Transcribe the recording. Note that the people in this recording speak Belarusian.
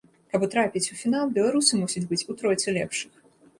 Каб трапіць у фінал, беларусы мусяць быць у тройцы лепшых.